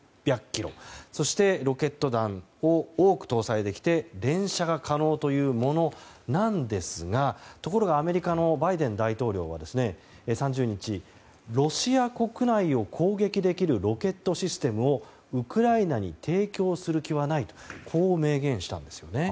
そしてロケット弾を多く搭載できて連射が可能というものなんですがところがアメリカのバイデン大統領は３０日、ロシア国内を攻撃できるロケットシステムをウクライナに提供する気はないとこう明言したんですね。